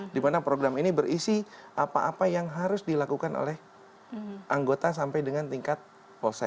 dimana program ini berisi apa apa yang harus dilakukan oleh anggota sampai dengan tingkat polsek